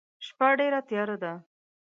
شپه ډيره تیاره ده.